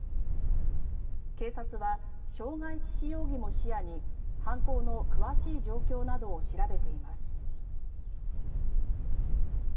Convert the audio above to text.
警察は傷害致死容疑も視野に犯行の詳しい状況などを調べています。